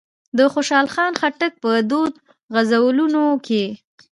د خوشحال خان خټک په دوو غزلونو کې.